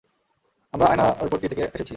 আমরা আয়নার্পট্টি থেকে এসেছি।